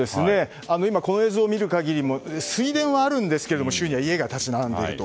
今、この映像を見る限り水田はあるんですけれども周囲には家が立ち並んでいると。